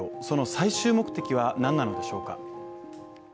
その最終目的は何なのでしょうか。